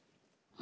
あ！